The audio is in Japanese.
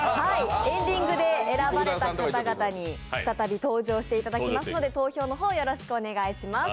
エンディングで選ばれた方々に、再び登場していただきますので投票の方、よろしくお願いします。